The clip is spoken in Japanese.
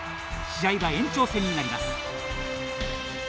試合は延長戦になります。